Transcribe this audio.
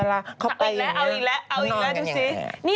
เรื่องอะไร